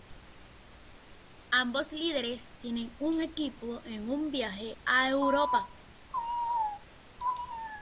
Ambos líderes tienen un equipo en un viaje a Europa.